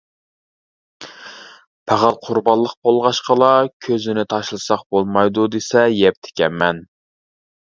پەقەت قۇربانلىق بولغاچقىلا كۆزىنى تاشلىساق بولمايدۇ دېسە يەپتىكەنمەن.